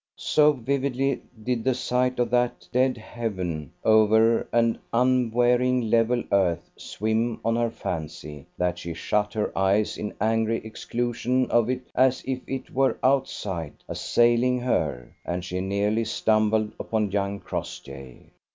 So vividly did the sight of that dead heaven over an unvarying level earth swim on her fancy, that she shut her eyes in angry exclusion of it as if it were outside, assailing her; and she nearly stumbled upon young Crossjay.